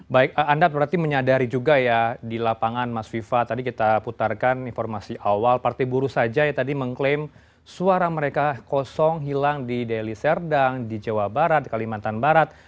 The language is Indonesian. baik anda berarti menyadari juga ya di lapangan mas siva tadi kita putarkan informasi awal partai buru sajai tadi mengklaim suara mereka kosong hilang di delhi serdang di jawa barat kalimantan barat